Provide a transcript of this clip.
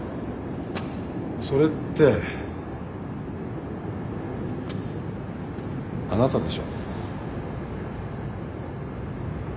それってあなたでしょ？